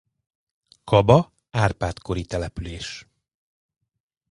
Kaba Árpád-kori település.